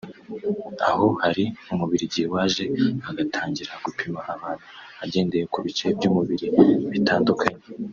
aho hari umubiligi waje agatangira gupima abantu agendeye ku bice by’umubiri bitandukanye